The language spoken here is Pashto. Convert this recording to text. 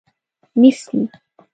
نیسي